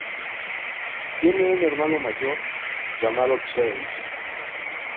Tiene un hermano mayor llamado Chase.